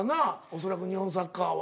恐らく日本サッカーは。